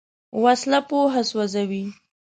وسله پوهه سوځوي